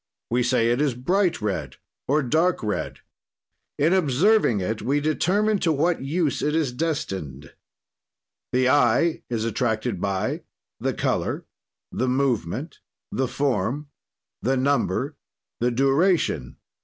We say: it is bright red or dark red. "In observing it we determine to what use it is destined. "The eye is attracted by: "The color. "The movement. "The form. "The number. "The duration.